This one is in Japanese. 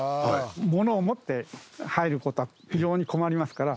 物を持って入ることは非常に困りますから。